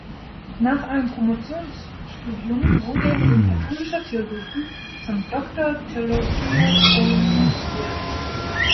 Nach einem Promotionsstudium wurde er in Katholischer Theologie zum Doctor theologiae promoviert.